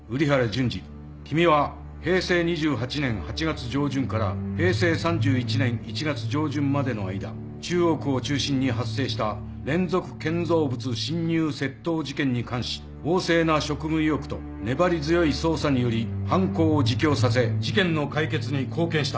君は平成２８年８月上旬から平成３１年１月上旬までの間中央区を中心に発生した連続建造物侵入窃盗事件に関し旺盛な職務意欲と粘り強い捜査により犯行を自供させ事件の解決に貢献した。